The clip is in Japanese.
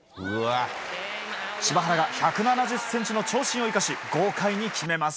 柴原が１７０ｃｍの長身を生かし豪快に決めます。